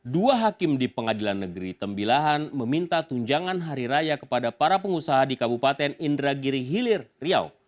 dua hakim di pengadilan negeri tembilahan meminta tunjangan hari raya kepada para pengusaha di kabupaten indragiri hilir riau